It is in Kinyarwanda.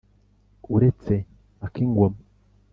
uretse ak'ingoma